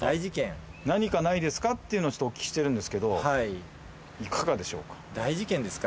何かないですかっていうのをお聞きしてるんですけどいかがでしょうか？